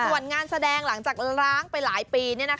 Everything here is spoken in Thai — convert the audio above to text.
ส่วนงานแสดงล้างจากล้างไปหลายปี๒๐๑๙